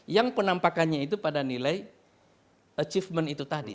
yang penampakannya itu pada nilai achievement itu tadi